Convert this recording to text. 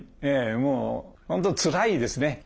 もう本当つらいですね。